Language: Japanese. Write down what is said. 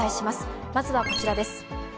まずはこちらです。